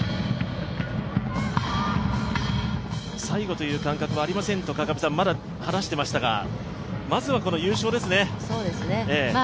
最後という感覚はありませんと話していましたがまずは優勝ですね。